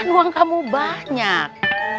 kan uang kamu banyak